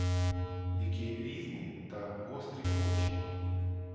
Які різкі та гострі очі!